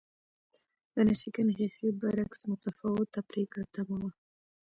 د ناشکن ښیښې برعکس متفاوته پرېکړه تمه وه